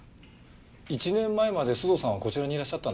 １年前まで須藤さんはこちらにいらっしゃったんですよね？